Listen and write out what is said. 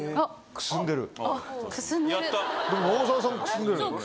くすんでる？